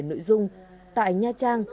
nội dung tại nha trang